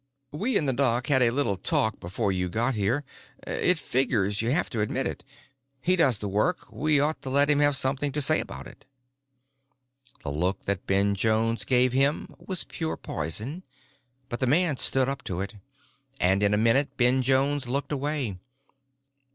We and the doc had a little talk before you got here. It figures, you have to admit it. He does the work; we ought to let him have something to say about it." The look that Ben Jones gave him was pure poison, but the man stood up to it, and in a minute Ben Jones looked away.